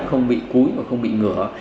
không bị cúi và không bị ngửa